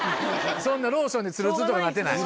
そんなローションでつるつるとかなってない。